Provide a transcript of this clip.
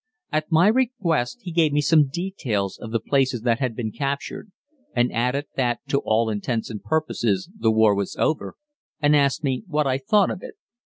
At my request he gave me some details of the places that had been captured, and added that to all intents and purposes the war was over, and asked me what I thought of it.